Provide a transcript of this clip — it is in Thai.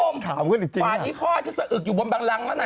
วันนี้พ่อจะสะอึกอยู่บนบางรั้งละนะ